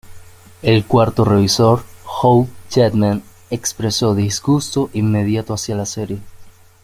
El cuarto revisor, Hope Chapman, expresó disgusto inmediato hacia la serie.